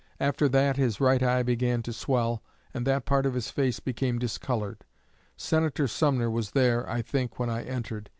After that, his right eye began to swell and that part of his face became discolored ... Senator Sumner was there, I think, when I entered.